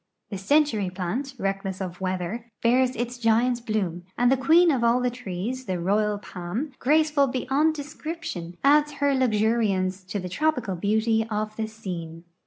The century plant, reckless of weather, bears its giant bloom, and the queen of all the trees, the royal palm, graceful beyond description, adds her luxuriance to the tropical beauty of the scene.